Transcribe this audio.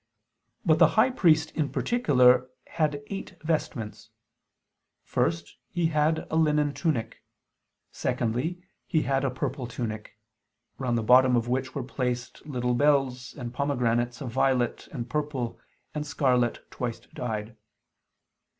But the high priest in particular had eight vestments. First, he had a linen tunic. Secondly, he had a purple tunic; round the bottom of which were placed "little bells" and "pomegranates of violet, and purple, and scarlet twice dyed."